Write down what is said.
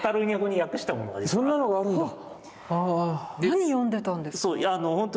何読んでたんですか？